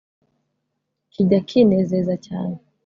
kijya kinezeza cyane